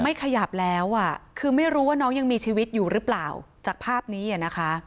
ขยับแล้วอ่ะคือไม่รู้ว่าน้องยังมีชีวิตอยู่หรือเปล่าจากภาพนี้อ่ะนะคะ